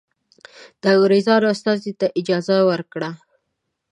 د انګرېزانو استازي ته اجازه ورکړه.